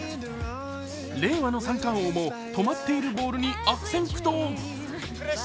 令和の三冠王も止まっているボールに悪戦苦闘。